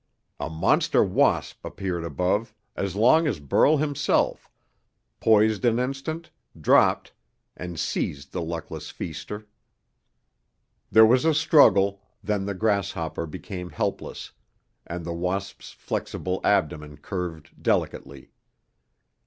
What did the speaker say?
A monster wasp appeared above as long as Burl himself poised an instant, dropped, and seized the luckless feaster. There was a struggle, then the grasshopper became helpless, and the wasp's flexible abdomen curved delicately.